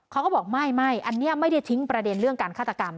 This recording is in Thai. เขาก็บอกไม่อันนี้ไม่ได้ทิ้งประเด็นเรื่องการฆาตกรรม